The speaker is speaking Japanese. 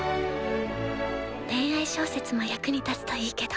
恋愛小説も役に立つといいけど。